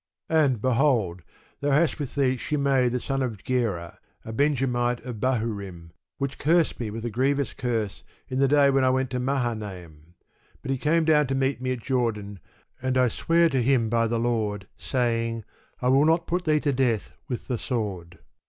And, behold, thou hast with thee Shimei the son of Gera, a Benjamite of Bahurim, which cursed me with a grievous curse in the day when I went to Mahanaim: but he came down to meet me at Jordan, and I sware to him by the Lord, saying, I will not put thee to death with the sword.